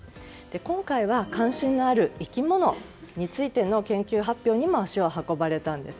今回は、関心のある生き物についての研究発表にも足を運ばれたんです。